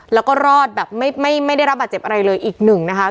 แล้วก็รอดแบบไม่ได้รับบาดเจ็บอะไรเลยอีกหนึ่งนะคะ